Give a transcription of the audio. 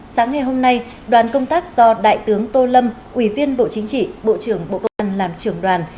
sáng ngày hôm nay đoàn công tác do đại tướng tô lâm ủy viên bộ chính trị bộ trưởng bộ công an làm trưởng đoàn